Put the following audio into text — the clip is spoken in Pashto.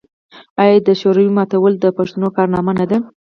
آیا د شوروي ماتول د پښتنو کارنامه نه ده؟